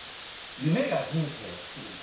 夢が人生をつくるんだ」。